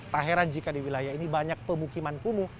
tak heran jika di wilayah ini banyak pemukiman kumuh